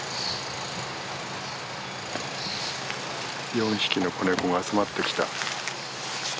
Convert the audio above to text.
４匹の子ネコが集まってきた。